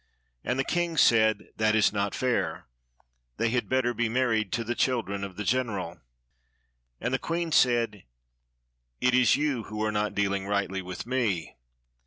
And the king said, ''That is not fair; they had better be mar ried to the children of the general." And the queen said, ''It is you who are not dealing rightly with me."